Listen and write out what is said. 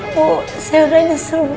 bu saya rindu seru seru ini bu